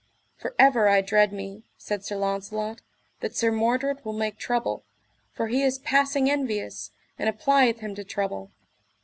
For ever I dread me, said Sir Launcelot, that Sir Mordred will make trouble, for he is passing envious and applieth him to trouble.